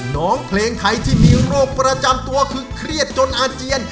น้องเพลงไทยที่มีโรคประจำตัวคือเครียดจนอาเจียน